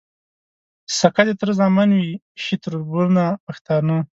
سکه د تره زامن وي شي تــربـــرونـه پښتانه